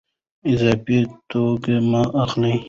اضافي توکي مه اخلئ.